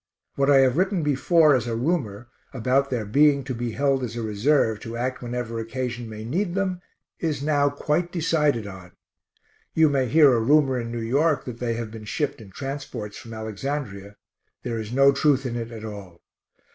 What I have written before as a rumor about their being to be held as a reserve, to act whenever occasion may need them, is now quite decided on. You may hear a rumor in New York that they have been shipped in transports from Alexandria there is no truth in it at all.